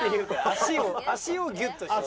足を足をギュッとして。